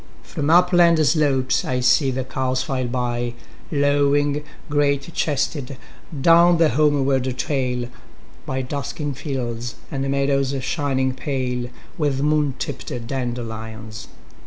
1From upland slopes I see the cows file by,2Lowing, great chested, down the homeward trail,3By dusking fields and meadows shining pale4With moon tipped dandelions.